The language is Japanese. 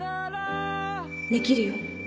できるよ